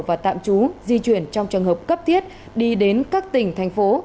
và tạm trú di chuyển trong trường hợp cấp thiết đi đến các tỉnh thành phố